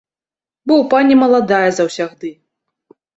Бо ў пані маладая заўсягды.